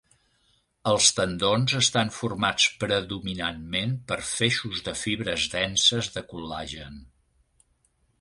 Els tendons estan formats predominantment per feixos de fibres denses de col·lagen.